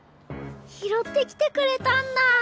拾ってきてくれたんだ。